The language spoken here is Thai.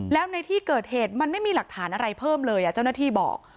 แล้วในที่เกิดเหตุมันไม่มีหลักฐานอะไรเพิ่มเลยเจ้าหน้าที่บอก